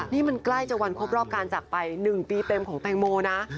นี่มันใกล้จะวันครบรอบการจากไป๑ปีเต็มของแตงโมนะ